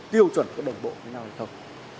tiêu chuẩn của đồng bộ phương án hệ thống